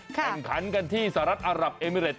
แข่งขันกันที่สหรัฐอารับเอมิเรต